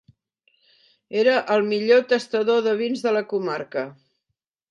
Era el millor tastador de vins de la comarca.